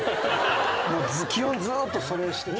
基本ずっとそれしてた？